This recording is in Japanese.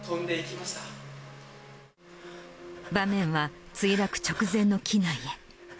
場面は墜落直前の機内へ。